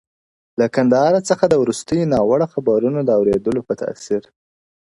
له کندهاره څخه د وروستیو ناوړه خبرونو د اورېدلو په تأثر--!